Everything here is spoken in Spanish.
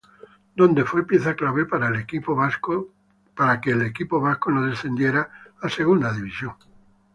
Donde fue pieza clave para que el equipo vasco no descendiera a Segunda División.